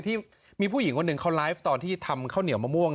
ที่มีผู้หญิงคนหนึ่งเขาไลฟ์ตอนที่ทำข้าวเหนียวมะม่วง